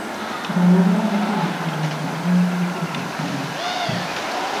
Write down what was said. Beodra a török hódoltság alatt is lakott maradt.